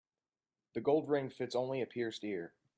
The gold ring fits only a pierced ear.